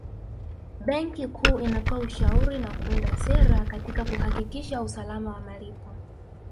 Benki Kuu inatoa ushauri na kuunda sera katika kuhakikisha usalama wa malipo